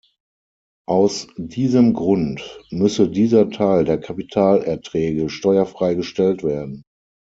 Aus diesem Grund müsse dieser Teil der Kapitalerträge steuerfrei gestellt werden.